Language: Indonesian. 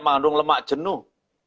mengandung lemak jenuh